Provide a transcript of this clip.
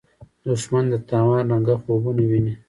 دښمن د تاوان رنګه خوبونه ویني